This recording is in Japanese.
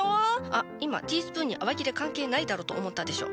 あっ今ティースプーンに洗剤いらねえだろと思ったでしょ。